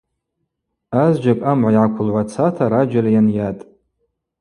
Азджьакӏ амгӏва йгӏаквылгӏвацата раджьаль йанйатӏ.